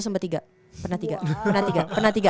sempet tiga pernah tiga pernah tiga